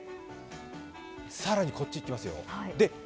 更にこっち行きますよ。